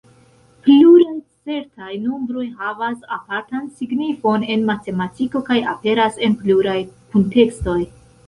Pluraj certaj nombroj havas apartan signifon en matematiko, kaj aperas en pluraj kuntekstoj.